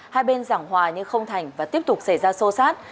hai bên giảng hòa nhưng không thành và tiếp tục xảy ra sô sát